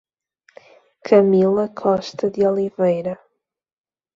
Camila Costa de Oliveira